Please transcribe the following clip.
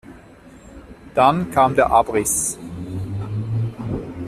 Dann kam der Abriss.